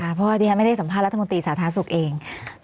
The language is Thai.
เพราะว่าดิฉันไม่ได้สัมภาษณรัฐมนตรีสาธารณสุขเอง